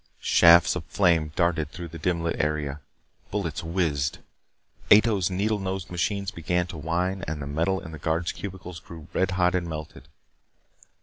Shafts of flame darted through the dim lit area. Bullets whizzed. Ato's needle nosed machines began to whine and the metal in the guards' cubicles grew red hot and melted.